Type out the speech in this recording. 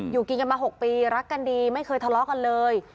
อยู่กินกันมา๖ปีรักกันดีไม่เคยทะเลาะกันเลย